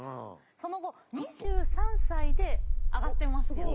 その後２３歳で上がってますよね。